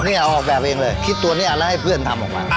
เนี่ยเอาออกแบบเองเลยคิดตัวนี้แล้วให้เพื่อนทำออกมา